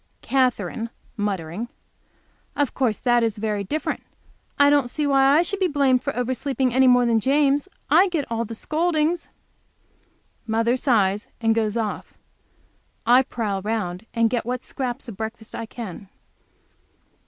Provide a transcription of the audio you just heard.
Katherine, muttering. "Of course that is very different. I don't see why I should be blamed for oversleeping any more than James. I get all the scoldings." Mother sighs and goes off. I prowl round and get what scraps of breakfast I can.